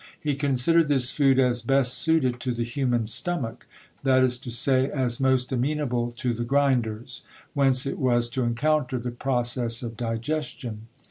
He considered this food as best suited to the human stomach, that is to say, as most amenable to the grinders, whence it was to encounter the pro cess of digestion.